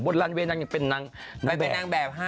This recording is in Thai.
บนลันเวนังยังเป็นนางแบบ